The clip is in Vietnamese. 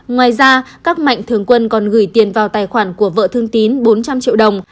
ngoài ra các mạnh thường quân còn gửi tiền vào tài khoản của vợ thương tín bốn trăm linh triệu đồng